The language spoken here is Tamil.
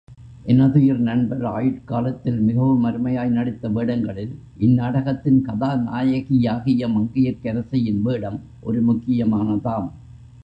எனதுயிர் நண்பர் ஆயுட் காலத்தில் மிகவும் அருமையாய் நடித்த வேடங்களில், இந்நாடகத்தின் கதாநாயகியாகிய மங்கையர்க்கரசியின் வேடம் ஒரு முக்கியமானதாம்.